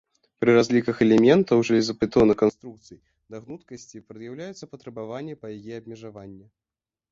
Пры разліках элементаў жалезабетонных канструкцый да гнуткасці прад'яўляюцца патрабаванні па яе абмежавання.